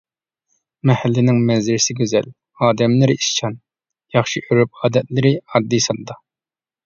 مەھەللىنىڭ مەنزىرىسى گۈزەل، ئادەملىرى ئىشچان، ياخشى، ئۆرپ-ئادەتلىرى ئاددىي-ساددا.